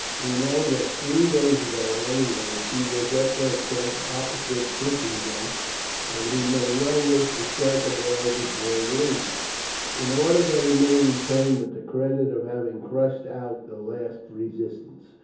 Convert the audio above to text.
We know that three days ago at any rate he was at their camp opposite Huntingdon, and he may well wish to strike a blow before he leaves, in order that he may return with the credit of having crushed out the last resistance."